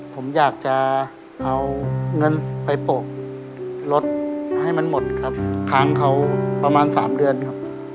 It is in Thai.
ผมอยากจะเอาเงินไปปลูกรถให้มันหมดครับค้างเขาประมาณ๓เดือนครับ